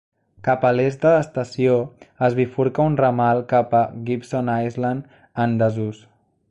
Cap a l'est de l'estació, es bifurca un ramal cap a Gibson Island en desús.